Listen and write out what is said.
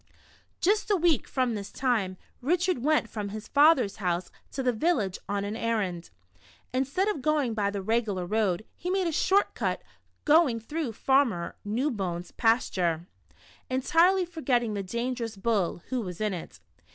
Just a w^eek from this time, Richard went from his father's house to the village on an errand. Instead of going by the regular road, he made a "short cut," going through Farmer Newbone's pasture, entirely forgetting the dangerous bull, who was in it.